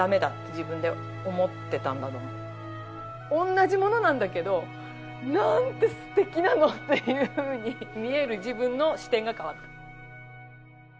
同じものなんだけどなんて素敵なの！っていうふうに見える自分の視点が変わった。